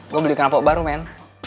gue beli kerapo baru men